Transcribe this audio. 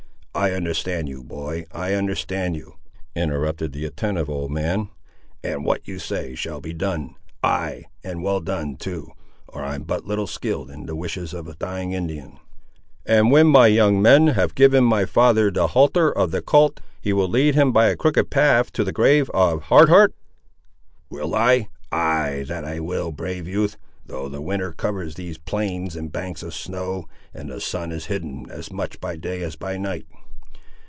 "I understand you, boy, I understand you," interrupted the attentive old man; "and what you say shall be done, ay, and well done too, or I'm but little skilled in the wishes of a dying Indian." "And when my young men have given my father the halter of that colt, he will lead him by a crooked path to the grave of Hard Heart?" "Will I! ay, that I will, brave youth, though the winter covers these plains in banks of snow, and the sun is hidden as much by day as by night.